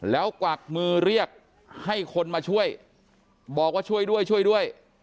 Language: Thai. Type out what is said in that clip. แล้วกวักมือเรียกให้คนมาช่วยบอกว่าช่วยด้วยช่วยด้วย